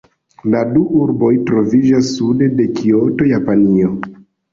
La du urboj troviĝas sude de Kioto, Japanio.